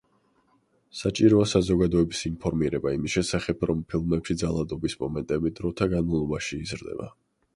საჭიროა საზოგადოების ინფორმირება იმის შესახებ, რომ ფილმებში ძალადობის მომენტები დროთა განმავლობაში იზრდება.